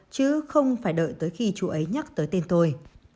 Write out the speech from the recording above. chứ không phải đợi tới khi chú ấy nhắc tới tên tôi